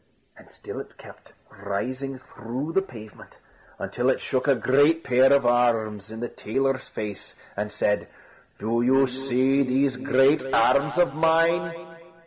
And still it kept rising through the pavement, until it shook a great pair of arms in the tailor's face, and said: "Do you see these great arms of mine?"